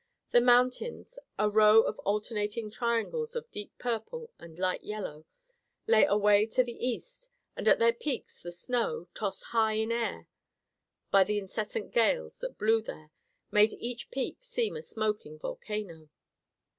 The mountains, a row of alternating triangles of deep purple and light yellow, lay away to the east and at their peaks the snow, tossed high in air by the incessant gales that blew there, made each peak seem a smoking volcano.